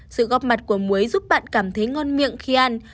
sự góp mặt của muối giúp bạn cảm thấy ngon miệng khi ăn